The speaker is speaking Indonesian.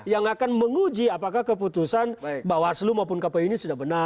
yang akan menguji apakah keputusan bawaslu maupun kpu ini sudah benar